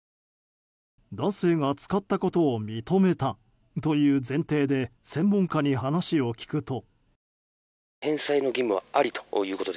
男性が使ったことを認めたという前提で専門家に話を聞くと。